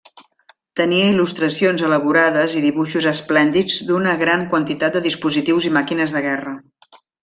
Tenia il·lustracions elaborades i dibuixos esplèndids d'una gran quantitat de dispositius i màquines de guerra.